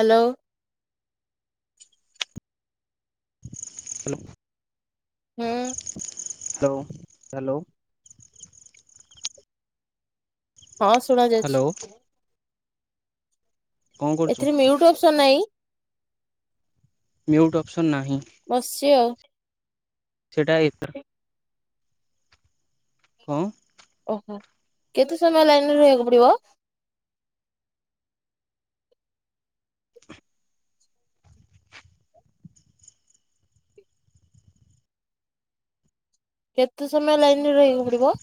Hello. Hello. ହୁଁ hello hello. ହଁ ଶୁଣା ଯାଉଛି। ହ୍ୟାଲୋ କଣ କରୁଛୁ? ଏଥିରେ ମିଉଟୁ ଅପସନ ନାଇଁ? ମ୍ୟୁଟୁ ଅପସନ୍ ନାହିଁ। ବସିଛି ଆଉ। ସେଇଟା ଏଇଥର କଁ? ଓହୋ କେତେ ସମୟ ଲାଇନରେ ରହିବାକୁ ପଡିବ? କେତେ ସମୟ ଲାଇନ ରେ ରହିବାକୁ ପଡିବ?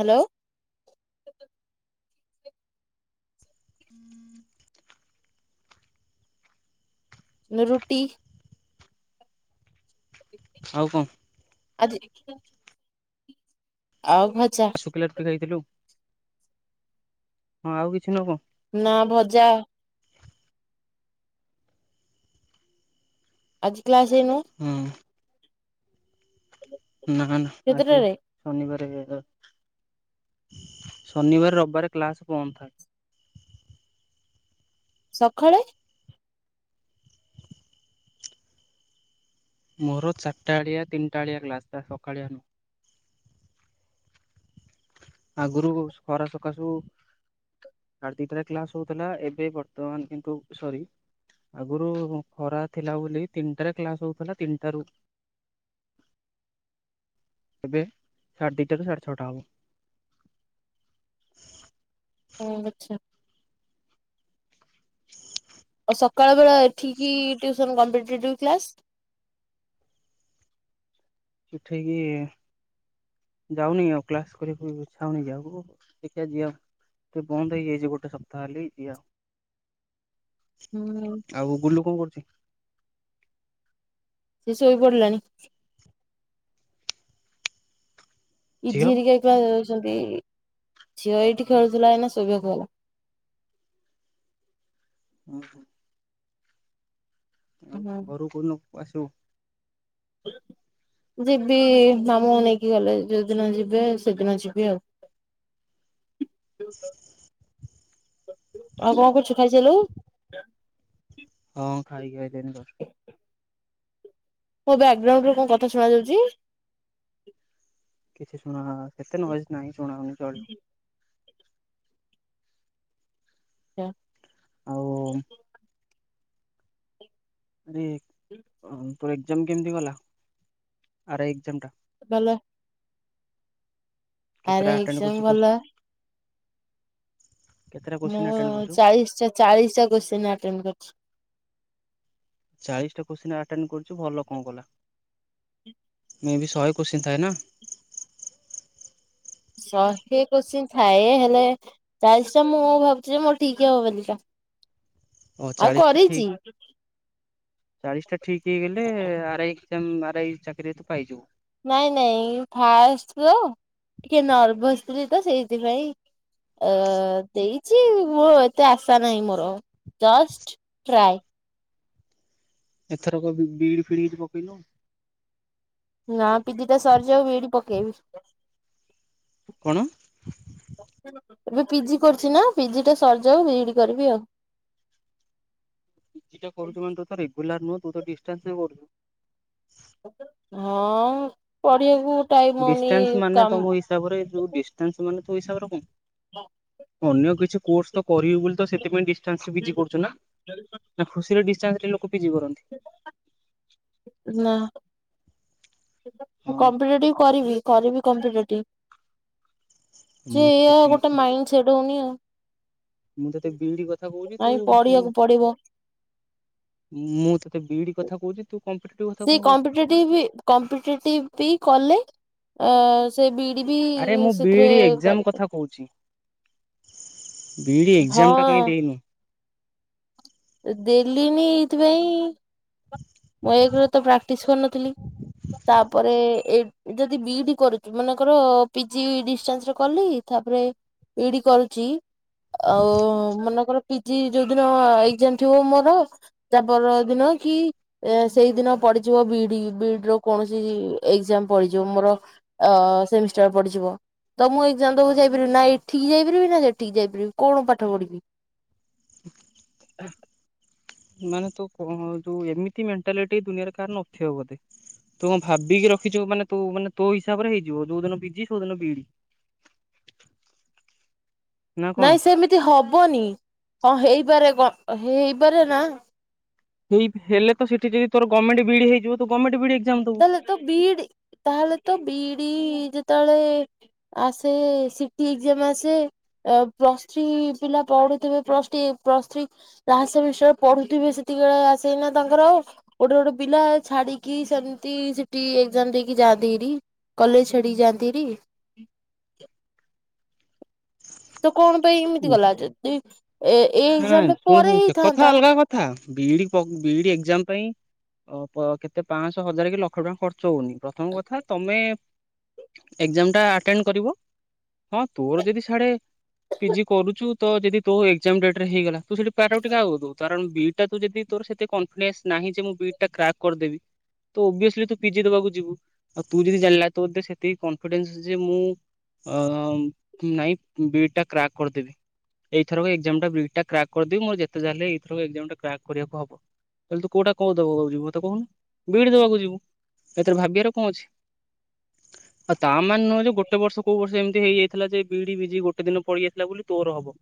ହ୍ୟାଲୋ। ଉଁ। ରୁଟି। ଆଉ କଣ? ଆଜି ଆଉ ଭଜା। ମୁଁ କହିଲି ଆ ରୁଟି ଖାଇଥିଲୁ? ହଁ ଆଉ କିଛି ନୁହଁ? ନା ଭଜା। ଆଜି କ୍ଲାସ ଯାଇନୁ? ହୁଁ। ନା ନା ଆଜି କେତେଟାରେ ଶନିବାରେ ଶନିବାରେ ରବିବାରେ କ୍ଲାସ ବନ୍ଦ ଥାଏ। ସକାଳେ? ମୋର ଚାରିଟା ଆଳିଆ ତିନିଟାଳିଆ କ୍ଲାସଟା ସକାଳୀଆ ନୁ? ଆଗୁରୁ ସୁ ଖରା ସକାଶୁ ଆଡେ ଦିଟାରେ କ୍ଲାସ ହଉଥିଲା ଏବେ ବର୍ତ୍ତମାନ କିନ୍ତୁ ସରି ଆଗରୁ ଖରା ଥିଲା ବୋଲି ତିନିଟାରେ କ୍ଲାସ ହଉଥିଲା ତିନିଟା ରୁ ଏବେ ସାଢ଼େ ଦିଟାରୁ ସାଢେ ଛଅଟା ହବ। ଉଁ ଆଚ୍ଛା। ଆଉ ସକାଳ ବେଳା ଏଠିକି ଟିଉସନ୍ କମ୍ପିଟେଟିଭ କ୍ଲାସ୍। ଚିଠି କି ଯାଉନି ଆଉ କ୍ଲାସ କରିବାକୁ ଇଛାହଉନି ଯିବାକୁ ଦେଖିବା ଯିଆଉ। ଟେ ବନ୍ଦ ହେଇଯାଇଛି ଗୋଟେ ସପ୍ତାହ ହେଲି ଇଆଉ। ହୁଁ। ଆଉ ଗୁଲୁ କଣ କରୁଛି? ସେ ଶୋଇ ପଡିଲାଣି। ଝିଅ ଇଝି ଆଉ ଅରିକା କ୍ଲାଉ ଛନ୍ତି ଝିଅ ଏଇଠି ଖେଳୁଥିଲା ଏଇନା ଶୋଇବାକୁ ଗଲା। ଉଁ ହୁଁ। ଆଉ ହୁଁ ଘରୁକୁ କଉ ଦିନ କ ଆସିବୁ? ଯିବି ମାମୁଁ ନେଇକି ଗଲେ ଯୋଉଦିନ ଯିବେ ସେଦିନ ଯିବି ଆଉ। ଆଉ କଣ କରୁଛୁ ଖାଇସାରିଲୁଣି? ହଁ ଖାଇକି ଆଇଲି ଏଇନେ ଜଷ୍ଟ। ମୋ ବ୍ୟାଗ୍ରାଉଣ୍ଡୁରେ କଣ କଥା ଶୁଣା ଯାଉଛି। କିଛି ଶୁଣା ଏତେ ଏନଜ ନାହିଁ ଶୁଣା ହଉନି ଚଳିବ। ଆଚଛ ଆଉ [unintelligible] ଆରେ [unintelligible] ତୋ ଏକ୍ସାମ୍ କେମିତି ଗଲା। ଆର ଏକ୍ସାମ୍ ଟା ଭଲ କେତେଟା ଆରେ [unintelligible] ଆଟେଣ୍ଡ କରୁଛୁ ଏକ୍ଜାମ୍ କୋ ଭଲ। କେତେଟା କୋଶ୍ଚିନ୍ ମୁଁ ଆଟେଣ୍ଡ କରୁଛୁ ଚାଳିଶ୍ ଟା ଚାଳିଶ୍ ଟା କ [unintelligible] ସନାଟେଣ୍ଡ [unintelligible] କରିଛି। ଚାଳିଶ୍ ଟା ଖୁସି [unintelligible] ଆଟେଣ୍ଟ କରୁଚି ଭଲ କଣ କଲା ମେ ବି ଶହେ କୋଚିଂ [unintelligible] ଥାଏ ନା! ଶହେ କୋଷିଁ [unintelligible] ଥାଏ। ହେଲେ ଚାଳିଶ୍ ଟା ମୁଁ ଭାବୁଛିି ଯେ ମୋର ଠିକ୍ ହବ ବୋଲି ତ! ଓ ଆଉ କରିଚି। ଚାଳିଶ୍ ଟା ଠିକ୍ ହେଇଗଲେ ଆର ଆଈ ଆରେଇ [unintelligible] ଚାକିରିତୁ ପାଇଯିବୁ। ନାଇଁ ନାଇଁ ଫାଷ୍ଟ ତ ଟିକେ ନର୍ ଭସ୍ ବସିଥିଲି [unintelligible] ସେଇଥିପାଇଁ ଅ ଦେଇଛି ମୁଁ ଏତେ ଆଶା ନାହିଁ। ମୋର ଜଷ୍ଟ ପ୍ରାଇ [unintelligible] ଏଥର କ ବିଇଡି ଫିଇଡି ପକେଇଲୁ? ନା ପି ଜି ଟା ସରିଯାଉ ବିଇଡି ପକେଇବି। କଣ? ଏବେ ପିଜି କରୁଛି ନା ପିଜି ଟା ସରିଯାଉ ବିଇଡି କରିବି ଆଉ ପିଜିଟା କରୁ [unintelligible] ମାନେ ତ ରେଗୁଲାର ନୁହଁ ତୁ ତ ଡିଷ୍ଟାନ୍ସ ରେ କରୁଛୁ? ହଁ ପଢ଼ିବାକୁ ଟାଇମ୍ ହଉନି କାମ। ତାପରେ ଯୋଉ ଡିଷ୍ଟାନ୍ସ ମାନେ ତୋ ହିସାବରେ କଣ? ହଁ [inaudible] ଅନ୍ୟ କିଛି କୋର୍ସ ତ କରିବି ବୋଲି ତ ସେଥିପାଇଁ ଡିଷ୍ଟାନ୍ସ [unintelligible] ପିଜି କରୁଛି ନା! ନା ଖୁସିରେ ଡିଷ୍ଟାସରେ ଲୋକ ପିଜିି କରନ୍ତି। ହ [inaudible] ନା ହଁ କମ୍ପିଟେଟିଭ୍ କରିବି କରିବି କମ୍ପିଟେଟିଭ୍। ମୁଁ ସେ ତତେ ଏଇଆ ପି ଗୋଟେ ମାଇଣ୍ଡ ସେଟ୍ ହଉନି ଆଉ ମୁଁ ତତେ ବିଇଡି କଥା କହୁଛି ନାଇଁ ତୁତୁ ପଢିବାକୁ ପଡିବ ମୁଁ ତତେ ବିଇଡି କଥା କହୁଛି ତୁ କମ୍ପିଟେଟିଭ୍ କଥା କଣ କହୁଛୁ? [unintelligible] କମ୍ପିଟେଟିଭ୍ ବି କଲେ। ଅ ସେ ବିଇଡି ବି ସେଥିରେ କରିପ [unintelligible] ହୋଉଛି, ବିଇଡି ଏକ୍ଜାମ୍ ଟା କାହିଁ ହଁ ଦେଇନୁ? ଦେଲିନି ଏଇଥିପାଇଁ ମୁଁ ଏକ୍ ରେ ତ ପ୍ରାକ୍ଟିସ୍ କରିନଥିଲି। ତାପରେ ଏଇ ଯଦି ବିଇଡି କରୁଛୁ ମନେଙ୍କର ପିଜି ଡିନ୍ସସ୍ [unintelligible] ରେ କଲି ତାପରେ ବିଇଡି କରୁଚି ଆଉ ମନେକର ପିଜି ଯୋଉଦିନ ଏ ଯେମତି ହ [unintelligible] ମୋର ତାପର ଦିନ କି ଏ ସେଇଦିନ ପଡ଼ିଯିବ ବିଡି ବିଇଡି ର କୌଣସି ଏକଜାମ୍ ପଡ଼ି ଯିବ ମୋର ଅ ସେମିଷ୍ଟାର୍ [unintelligible] ପଡ଼ିଯିବ। ତ ମୁଁ ଏକ୍ଜାମ୍ [inaudible] ଦବାକୁଯାଇପାରିବିନି ନା ଏଠିକି ଯାଇପାରିବି ନା ସେଠିକି ଯାଇପାରିବି କଣ ପାଠ ପଢ଼ିବି? [unintelligible] ହ [inaudible] ମାନେ ତ କଣ ଯୋଉ ଏମିତି ମେଣ୍ଟାଲିଟି ଦୁନିଆରେ କାହାର ନଥିବ ବୋଧେ ତୁ କଣ ଭାବିକି ରଖିଛୁ ମାନେ ତୁ ମାନେ ତୋ ହିସାବରେ ହେଇଯିବ ଯୋଉ ଦିନ ପିଜି କୋଉଦିନ ବିଇଡି [unintelligible] ନାଇଁ ସେମିତି ହବନି ହଁ ହେଇପାରେ କ [inaudible] ହେଇପାରେ ନା? ହେଇ ହେଲେ ତ ସେଠି ଯଦି ଗମେଣ୍ଟ ବିଡି ହେଇଯିବ ତ ଗମେଣ୍ଟ ବିଇଡି ଏଗ୍ଜାମ ଦବୁ ତାହେଲେ ତ ବିଇଡ଼ି ତାହେଲେ ତ ବିଇଡ଼ି ଯେତେବେଳେ ଆସେ ସିଟି ଏଗ୍ଜାମ୍ ଆସେ ପ୍ଲସ୍ ଥ୍ରୀ ପିଲା ପଢୁଥିବେ plus plus three last semester ପଢୁଥିବେ ସେତିକିବେଳେ ଆସିବେନା ତାଙ୍କର ଆଉ ଗୋଟେ ଗୋଟେ ପିଲା ଛାଡିକି ସେ ସେଠି ଏଗ୍ଜାମ୍ ଦେଇକି ଯାଆନ୍ତି ହେରି କଲେଜ ଛାଡିକି ଯାଆନ୍ତିି ହେରି ତ କଣ ପାଇଁ ଏମିତି ଗଲା ଯଦି ଏ ଏଇ ଏଗ୍ଜାମ ଟା ପରେ ହେଇଥାନ୍ତା ଥା ବିଇଡି ବିଇଡି ଏଗ୍ଜାମ ପାଇଁ ଓ କେତେ ପାଁଶହ ହଜାର କି ଲକ୍ଷ ଟଙ୍କା ଖର୍ଚ୍ଚ ହଉନି ପ୍ରଥମ କଥା ତମେ ଏ ଗଜାମ୍ମଟା ଆଟେଣ୍ଡ କରିବ ହଁ ତୋର ଯଦି ସିଆଡ଼େ ପିଜି କରୁଛୁ ତ ଯଦି ତୋ ଏଗ୍ଜାମ ଡେଟ୍ ରେ ହେଇଗଲା ତୁ ସେଠି ପ୍ରାରରୁଟି କାକୁ ଦେବୁ କାରଣ ବିଟ୍ ଯଦି ତୋର ସେତେ କନିନ୍ସ ନାହିଁ ଯେ ମୁଁ ବିଇଡି ଟ ର୍କକ୍ କରିଦବି ତ ଓଭିଅସଲି ତୁ ପିଜି ଦେବାକୁ ଯିବୁ ଆଉ ତୁ ଯଦି ଜାଲା ତ ବୋଧେ ସେତିକି କନଫିଡେନ୍ସ ଅଛି ଯେ ମୁଁ ଅ ନାଇଁ ବିଡ୍ ଟା କ୍ରାକ୍ କରିଦେବି ଏଇଥରକ ଏଜାମ ଟା ଏ କ୍ରାକ୍ କରିଦେବି ମୋର ଯେତେ ଯାଲେ ଏଇଥରକ ଏଗ୍ଜାମ୍ କ୍ରାକ୍ କରିବାକୁ ହବ କହଲେ ତୁ କୋଉଟା କଣ ଦବ କହୁଛୁ ମତେ କହୁନ ବିଇଡ଼ି ଦବାକୁ ଯିବୁ ଏଥିରେ ଭାବିବାର କଣ ଅଛି ଆଉ ତା ମାନେ ନୁହଁ ଯେ ଗୋଟେ ବର୍ଷ କୋଉ ବର୍ଷ ଏମିତି ହେଇଯାଇଥିଲା ଯେ ବିଡି ପିଜି ଗୋଟେ ଦିନ ପଡିଯାଇଥିଲା ବୋଲି ତୋର ହବ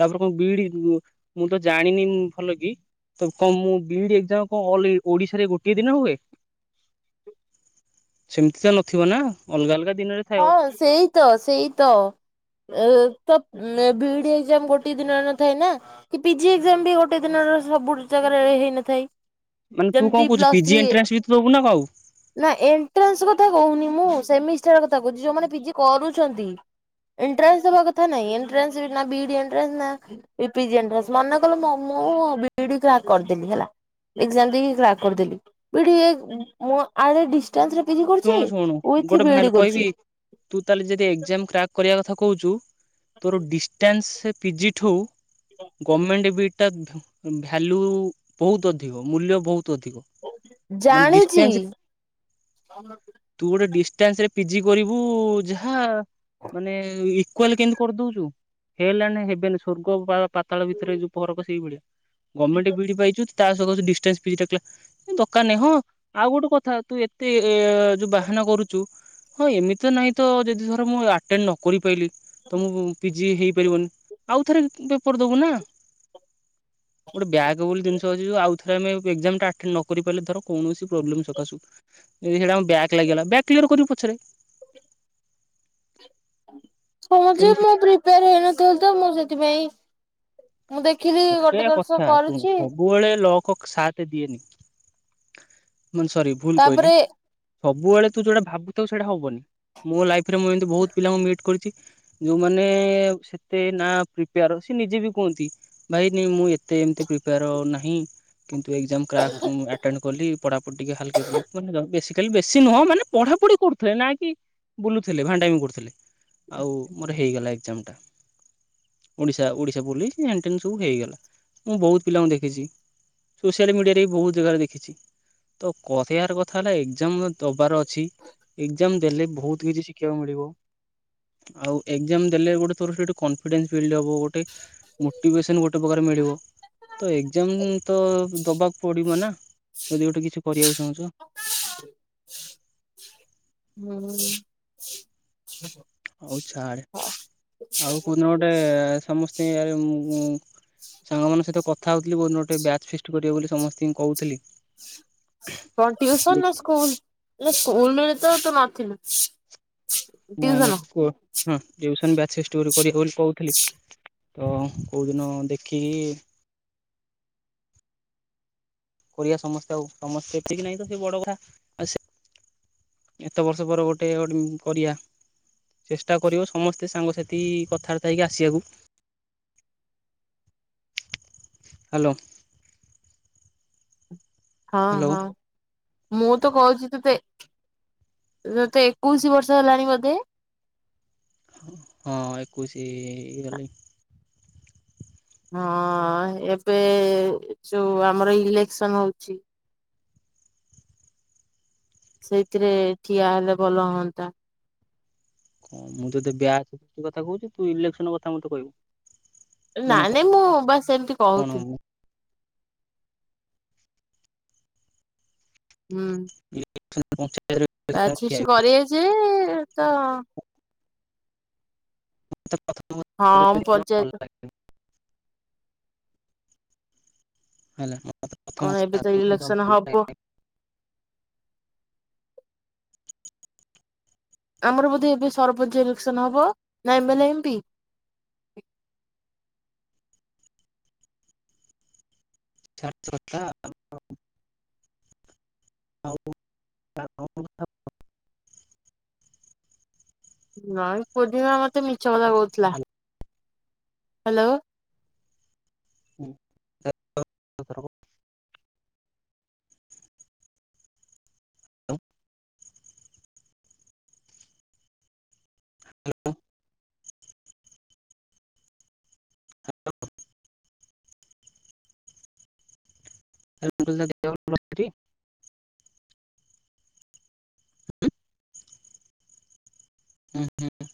ତାପରେ କଣ ବିଇଡି ମୁଁ ତ ଜାଣିନି ଭଲ କି ତ କଣ ମୁ ବିଇଡ଼ି ଏ ଗ୍ଜାମ୍ ଓଡିଶାରେ ଗୋଟଏ ଦିନ ହୁଏ ସେମିତି ତ ନଥିବ ନା ଅଲଗା ଅଲଗା ଦିନରେ ହଁ ଥାଏ ସେଇ ତ ସେଇ ତ ଏ ତ ବିଇଡି ଏଗ୍ଜାମ ଗୋଟେ ଦିନରେ ନଥାଏ ନା କି ପିଜି ଏ ଗ୍ଜାମ ବି ଗୋଟେ ଦିନର ସବୁ ଜାଗାରେ ହେଇନଥାଏ ମାନେ ତୁ କଣ ଯେମିତି କହୁଚୁ ପ୍ଲସ ପିଜି ଥ୍ରୀ ଏଣ୍ଟ୍ରାନ୍ସ ବି ଦେବୁ ନା କଉ ନା ଏଣ୍ଟ୍ରାନ୍ସ କଥା କହୁନି ମୁଁ ସେମିଷ୍ଟାର କଥା କହୁଛି ଯୋଉମାନେ ପିଜି କରୁଛନ୍ତି ଏଣ୍ଟ୍ରାସ ଦବା କଥା ନାଇଁ ଏଣ୍ଟ୍ରାସ ବିଇଡି ଏଣ୍ଟ୍ରାସ ନା ପିଜି ଏନ୍ତ୍ଟ୍ରାନ୍ସ ମନେ କଲେ ମୁଁ ବିଇଡ଼ି କ୍ରାକ୍ କରିଦେଲି ହେଲା ଏଗ୍ଜାମ ଦେଇକି କ୍ରାକ୍ କରିଦେଲି ବିଇଡି ଏ ମୁଁ ଆଡ଼େ ଡ଼ିସ୍ ଡିସ୍‌ପ୍ଟାନ୍ସ ରେ ପିଜି କରୁଚି ଶୁଣୁ ଶୁଣୁ ଗୋଟେ ଉଇଥି ଭାଇଲ ବିଇଡ଼ି ତୁ ତାହଲେ ଯଦି ଏଗ୍ଜାମ କ୍ରାକ୍ କରିବା କଥା କହୁଛୁ ତୋର ଡିଷ୍ଟାନ୍ସ ରେ ପିଜିଠୁ ଗମେଣ୍ଟ ବି ସେଟା ଭ୍ୟାଲ୍ୟୁ ବହୁତ ଅଧିକ ମୂଲ୍ୟ ବହୁତ ଅଧିକ ମାନେ ଜାଣିଛି ଡିଷ୍ଟାନ୍ସରେ ତୁ ଗୋଟେ ଡିଷ୍ଟାନ୍ସ ରେ ପିଜି କରିବୁ ଯାହା ମାନେ ଇକ୍ୱାଲ କେମିତି କରିଦଉଛୁ ହେଲାଣି ହେବେନି ସ୍ଵର୍ଗ ବା ପାତାଳ ଭିତରେ ଯୋଉ ଫରକ ସେଇ ଭଳିଆ ଗର୍ମେଣ୍ଟ ବିଇଡି ପାଇଚୁ ତା ସହିତ ଡିସ୍‌ଣ୍ଟାନ୍ସ ବିଇଡ଼ି ଦରକାର ନାଇଁ ହଁ ଆଉ ଗୋଟେ କଥା ତୁ ଏ ଯୋଉ ବାହାନା କରୁଛୁ ହଁ ଏମିତି ତ ନାହିଁ ତ ଯଦି ଧର ମୁଁ ଆଟେଣ୍ଡ ନକରି ପାରିଲିି ତ ମୁଁ ପିଜି ହେଇପାରିବନି ଆଉ ଥରେ ପେପର ଦବୁ ନା ଗୋଟେ ବ୍ୟାକ୍ ବୋଲି ଜିନିଷ ଅଛି ଯ ଆଉ ଥରେ ଆମେ ଏଗ୍ଜାମ୍ ଟା ଆଟେନ୍ ନ କରି ପାରିଲେ ଧର କୌଣସି ପ୍ରୋବ୍ଲେମ ସକାଶୁ ଯଦି ହେଇଟା ବ୍ୟାକ୍ ଲାଗିଗଲା ବ୍ୟାକ୍ କ୍ଲିୟର କରିବୁ ପଛରେ ହଁ ଯେ ସେମିତି ମୁଁ ପ୍ରିପେୟାର ହେଇନଥାଉଚି ତ ମୁଁ ସେଥିପାଇଁ ମୁଁ ଦେଖିଲି ଗୋଟେ ପକେଇବା ଦର୍ଶ କଥା ଶୁଣୁ କରୁଛି ସବୁବେଳେ ଲକ ସାଥ୍ ଦିଏନି ମାନେ ସରି ଭୁଲ କହିଲି ତାପରେ ସବୁବେଳେ ତୁ ଯୋଉଟା ଭାବୁଥାଉ ସେଇଟା ହବନି ମୋ ଲାଇଫରେ ମୁଁ ଏମିତି ବହୁତ ପିଲାଙ୍କୁ ମିଟ୍ କରିଛି। ଯୋଉମାନେ ସେତେ ନା ପ୍ରିପେୟାର ସେ ନିଜେ ବି କୁହନ୍ତି। ଭାଇ ନାଇ ମୁଁ ଏତେ ଏମିତି ପ୍ରିପେୟାର ନାହିଁ କିନ୍ତୁ ଏକ୍ଜାମ କ୍ରାକ୍ ମୁଁ ତେଣୁ କଲି ପଢାପଢି ଟିକେ ହାଲେ କେ ଫୁଲେ କି ବେଶୀ ଖାଲି ବେଶୀ ନୁହଁ ମାନେ ପଢାପଢି କରୁଥିଲେ ନା କି ବୁଲୁଥିଲେ ଭାଣ୍ଡା ମି କରୁଥିଲେ ଆଉ ମୋର ହେଇଗଲା ଏକ୍ଜାମ ଟା ଓଡ଼ିଶା ଓଡ଼ିଶା ପୋଲିସ ଏ ଏମିତି ସବୁ ହେଇଗଲା ମୁଁ ବହୁତ ପିଲାଙ୍କୁ ଦେଖିଛି ସୋସିଆଲ ମିଡିଆରେ ବି ବହୁତ ଜାଗାରେ ଦେଖିଛି ତ କହି ବାର କଥା ହେଲା ଏକ୍ଜାମ ଦବାର ଅଛି ଏକ୍ସାମ୍ ଦେଲେ ବହୁତ କିଛି ଶିଖିବାକୁ ମିଳିବ। ଆଉ ଏକ୍ସାମ ଦେଲେ ଗୋଟେ ତୋର ସେଠୀ କନଫିଡେନ୍ସ ଫିଲ୍ଡ ହବ ଗୋଟେ ମୋଟିଭେସନ୍ ଗୋଟେ ପ୍ରକାର ମିଳିବ। ତ ଏକ୍ସାମ ତ ଦବାକୁ ପଡିବ ନା ଯଦି ଗୋଟେ କିଛି କରିବାକୁ ଚାହୁଁଛ। ହୁଁ [unintelligible] ହଉ ଛାଡ ଆଉ କୋଉଦିନ ଗୋଟେ ସମସ୍ତି ସାଙ୍ଗମାନଙ୍କ ସହିତ କଥା ହଉଥିଲି କୋଉ ଦିନ ଗୋଟେ ବ୍ୟାଚ୍ ଫିଷ୍ଟ କରିବେ ବୋଲି ସମସ୍ତଙ୍କୁ କହୁଥିଲି। କଣ ଟିୟୁସନ ନା ସ୍କୁଲ ହେଲେ ସ୍କୁଲ ରେ ତ ତୁ ନଥିଲୁ। ନାଇଁ ଟିଉସନ ନାଇଁ କୁହ ହଁ ଟିୟୁସନ୍ ବ୍ୟାଚ ଫିଷ୍ଟ୍ ଗୋଟେ କରିବି ବୋଲି କହୁଥିଲି। ତ କେଉଁଦିନ ଦେଖିକି କରିବା ସମସ୍ତେ ଆଉ ସମସ୍ତେ ଏତିକି ନାହିଁ ତ ସେ ବଡ ଗୁରା ଆଉ ଏତେ ବର୍ଷ ପରେ ଗୋଟେ ଅଡ କରିବା ଚେଷ୍ଟା କରିବ ସମସ୍ତେ ସାଙ୍ଗସାଥି କଥାବାର୍ତ୍ତା ହେଇକି ଆସିବାକୁ। ହ୍ୟାଲୋ ହଁ ହ୍ୟାଲୋ ହଁ ମୁଁ ତ କହୁଛି ତୋତେ ତତେ ଏକୋଇଶି ବର୍ଷ ହେଲାଣି ବୋଧେ? ହଁ ଏକୋଇଶି ହେଇଗଲେଇ। ହଁ ଏବେ ଯୋଉ ଆମର ଇଲେକ୍ସନ ହଉଛି ସେଇଥିରେ ଠିଆ ହେଲେ ଭଲ ହୁଅନ୍ତା। କଣ ମୁଁ ତୋତେ ବ୍ୟାଚ କଥା କହୁଛି ତୁ ଇଲେକ୍ସନ କଥା ମତେ କହିବୁ। ମାନେ ନାଇ କଣ ନାଇଁ ମୁଁ ବାସ ସେମିତି କହୁଥିଲି। ହୁଁ। [unintelligible] ବ୍ୟାଚ ଫିଷ୍ଟ କରିବା ଯେ ତ [unintelligible] ହଁ ମୁଁ ପଞ୍ଚାୟତ [unintelligible] କଣ ଏବେ ତ ଇଲେକ୍ସନ ହବ ଆମର ବୋଧେ ଏବେ ସରପଞ୍ଚ ଇଲେକ୍ସନ ହବ ନା ଏ ମେ ଲେ ଏମ ପି। ଛାଡେ ସେ କଥା ଆଉ ଆଉ [unintelligible] ନାଇଁ ପୂର୍ଣ୍ଣିମା ମତେ ମିଛ କଥା କହୁଥିଲା। Hello [unintelligible] [unintelligible] hello. [unintelligible] [unintelligible] [unintelligible] ଉହୁଁ।